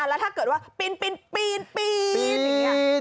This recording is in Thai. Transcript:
แล้วถ้าเกิดว่าปีน